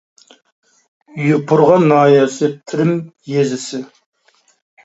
يوپۇرغا ناھىيەسى تېرىم يېزىسى